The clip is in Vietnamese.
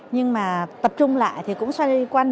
nhưng mà tập trung lại thì cũng xoay quanh